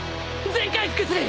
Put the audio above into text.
全回復する！